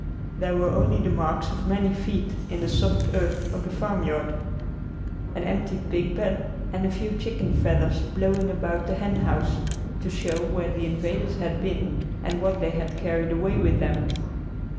There were only the marks of many feet in the soft earth of the farmyard, an empty pigpen, and a few chicken feathers blowing about the hen house, to show where the invaders had been and what they had carried away with them.